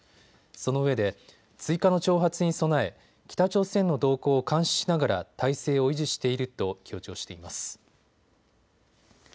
そのうえで追加の挑発に備え、北朝鮮の動向を監視しながら態勢を維持していると強調しています。